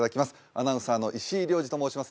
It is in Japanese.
アナウンサーの石井亮次と申します